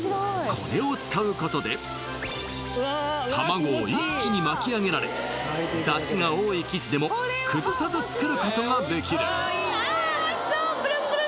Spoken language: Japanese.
これを使うことで卵を一気に巻き上げられだしが多い生地でも崩さず作ることができるあいいね！